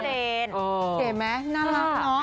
เห็นไหมน่ารักเนาะ